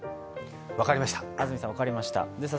分かりました。